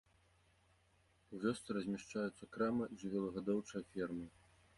У вёсцы размяшчаюцца крама і жывёлагадоўчая ферма.